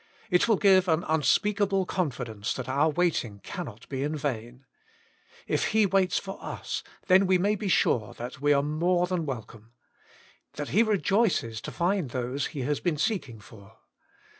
It will give an unspeakable confidence that our waiting cannot be in vain. If He waits for us, then we may be sure that we are more than welcome ; that He rejoices to find those He has been seek ing for.